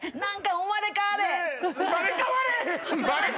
生まれ変われ！